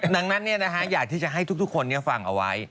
ดังนั้นอยากที่จะให้ทุกคนฟังเอาไว้